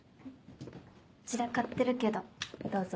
散らかってるけどどうぞ。